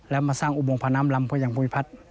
แล้วมาสร้างอุโมงพาน้ำลำเพื่ออย่างภูมิพัฒน์